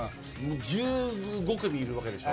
１５組いるわけでしょ。